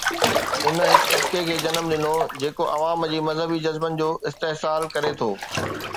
ان هڪ طبقي کي جنم ڏنو آهي جيڪو عوام جي مذهبي جذبن جو استحصال ڪري ٿو.